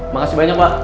makasih banyak pak